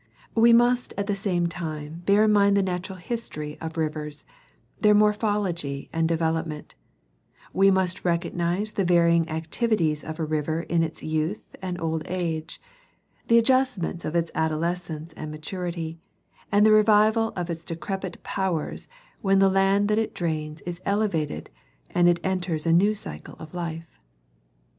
We must at the same time bear in mind the natural history of rivers, their morphology and devel opment ; we must recognize the varying activities of a river in its youth and old age, the adjustments of its adolescence and maturity, and the revival of its decrepit powers when the land that it drains is elevated and it enters a new cycle of life.